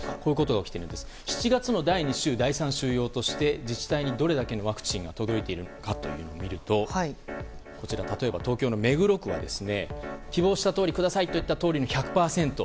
７月の第２週第３週用として自治体にどれだけのワクチンが届いているかを見ると例えば、東京の目黒区は希望したとおりにくださいという数の１００％